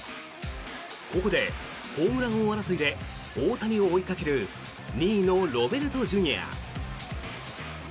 ここでホームラン王争いで大谷を追いかける２位のロベルトＪｒ．。